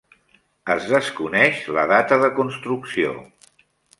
Es desconeix la data de construcció.